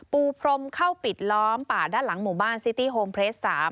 ปูพรมเข้าปิดล้อมป่าด้านหลังหมู่บ้านซิตี้โฮมเพลส๓